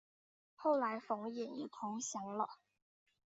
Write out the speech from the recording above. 后来冯衍也投降了。